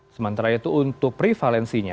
sementara itu untuk prevalensinya